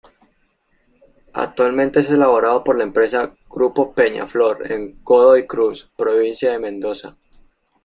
Actualmente es elaborado por la empresa Grupo Peñaflor en Godoy Cruz, provincia de Mendoza.